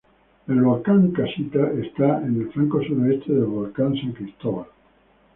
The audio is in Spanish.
El Volcán Casita está en el flanco sureste del volcán San Cristóbal.